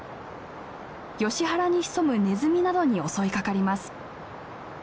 ヨシ原に潜むネズミなどに襲いかかります。